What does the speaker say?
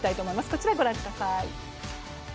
こちらをご覧ください。